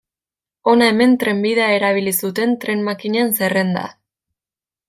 Hona hemen trenbidea erabili zuten tren-makinen zerrenda.